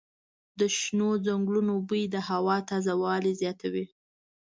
د شنو ځنګلونو بوی د هوا تازه والی زیاتوي.